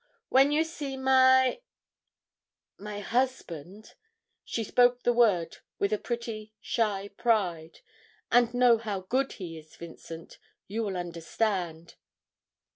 'When you see my my husband' (she spoke the word with a pretty, shy pride), 'and know how good he is, Vincent, you will understand.'